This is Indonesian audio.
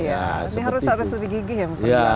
ini harus lebih gigih ya